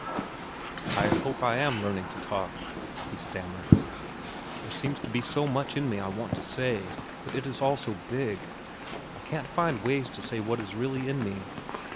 "I hope I am learning to talk," he stammered. "There seems to be so much in me I want to say. But it is all so big. I can't find ways to say what is really in me.